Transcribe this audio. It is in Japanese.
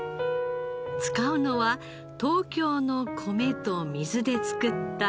使うのは東京の米と水で作った甘酒。